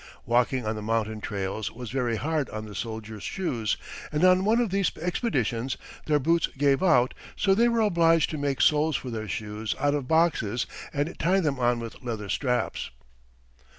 Walking on the mountain trails was very hard on the soldiers' shoes, and on one of these expeditions their boots gave out, so they were obliged to make soles for their shoes out of boxes and tie them on with leather straps.